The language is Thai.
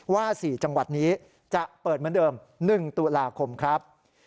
๔จังหวัดนี้จะเปิดเหมือนเดิม๑ตุลาคมครับ